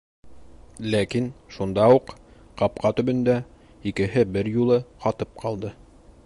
Ләкин шунда уҡ, ҡапҡа төбөндә, икеһе бер юлы ҡатып ҡалды.